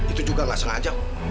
itu juga gak sengaja